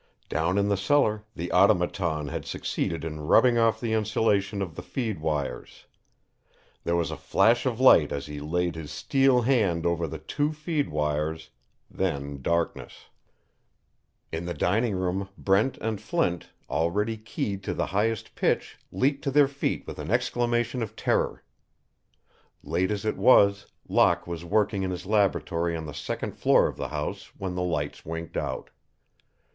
Down in the cellar the Automaton had succeeded in rubbing off the insulation of the feed wires. There was a flash of light as he laid his steel hand over the two feed wires then darkness. In the dining room Brent and Flint, already keyed to the highest pitch, leaped to their feet with an exclamation of terror. Late as it was, Locke was working in his laboratory on the second floor of the house when the lights winked out.